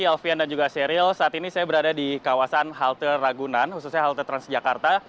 selamat pagi alvi dan juga seril saat ini saya berada di kawasan halter ragunan khususnya halter transjakarta